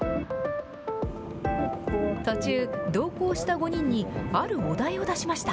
途中、同行した５人に、あるお題を出しました。